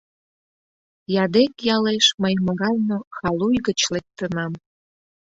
Ядек ялеш мый морально халуй гыч лектынам...